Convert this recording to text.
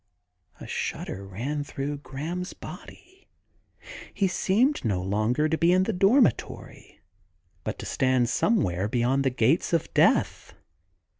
... A shudder ran through Graham's body : he seemed no longer to be in the dormitory, but to stand somewhere beyond the gates of death.